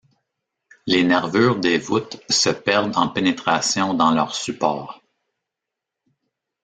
Les nervures des voutes se perdent en pénétration dans leur support.